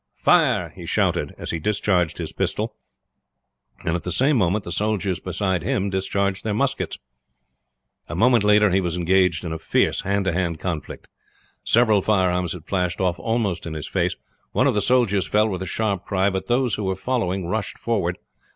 "Fire!" he shouted as he discharged his pistol, and at the same moment the soldiers beside him discharged their muskets. A moment later he was engaged in a fierce hand to hand conflict. Several firearms had flashed off almost in his face. One of the soldiers fell with a sharp cry, but those who were following rushed forward.